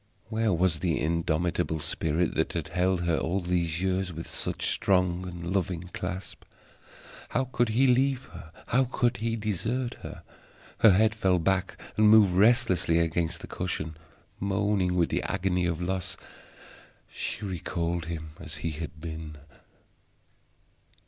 Where was the indomitable spirit that had held her all these years with such strong and loving clasp? How could he leave her? How could he desert her? Her head fell back and moved restlessly against the cushion; moaning with the agony of loss, she recalled him as he had been.